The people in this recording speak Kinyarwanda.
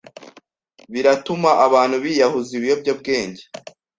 biratuma abantu biyahuza ibiyobyabwenge,